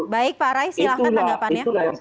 baik pak rai silahkan tanggapannya